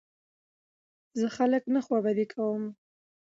زه خلک نه خوابدي کوم.